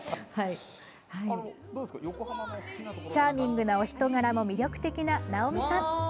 チャーミングなお人柄も魅力的なナオミさん。